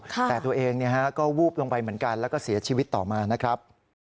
แต่ตัวเองก็วูบลงไปเหมือนกันแล้วก็เสียชีวิตต่อมานะครับ